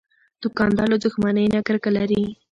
دوکاندار له دښمنۍ نه کرکه لري.